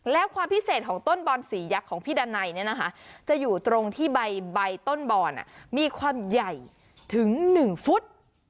แล้วความพิเศษของต้นบอนสียักษ์ของพี่ดันไนจะอยู่ตรงที่ใบต้นบอนมีความใหญ่ถึง๑ฟุต